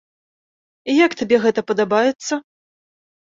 Як табе гэта падабаецца?